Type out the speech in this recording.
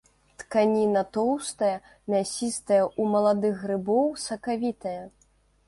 Тканіна тоўстая, мясістая, у маладых грыбоў сакавітая.